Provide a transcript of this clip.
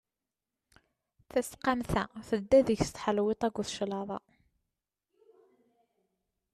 Tasqamt-a tedda deg-s tḥelwiḍt akked claḍa.